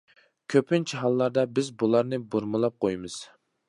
كۆپىنچە ھاللاردا بىز بۇلارنى بۇرمىلاپ قويىمىز.